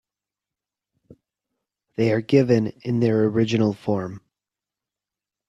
They are given in their original form.